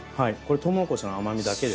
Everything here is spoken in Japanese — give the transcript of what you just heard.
とうもろこしの甘みだけです。